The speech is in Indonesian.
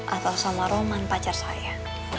atau sama roman pacar saya